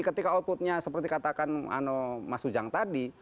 ketika outputnya seperti katakan mas ujang tadi